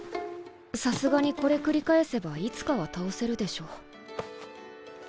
さすがにこれ繰り返せばいつかは倒せるでしょ。